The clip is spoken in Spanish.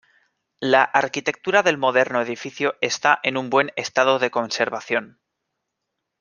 La arquitectura del moderno edificio está en un buen estado de conservación.